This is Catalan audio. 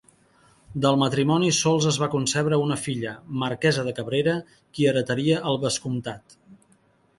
Del matrimoni sols es va concebre una filla, Marquesa de Cabrera, qui heretaria el vescomtat.